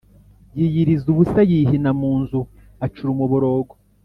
Yiyiriza ubusa yihina mu nzu acura umuborogo